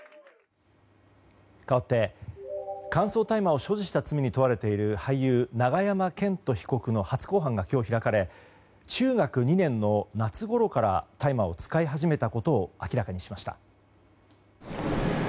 かわって、乾燥大麻を所持した罪に問われている俳優・永山絢斗被告の初公判が今日、開かれ中学２年の夏ごろから大麻を使い始めたことを明らかにしました。